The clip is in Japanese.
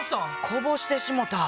こぼしてしもた。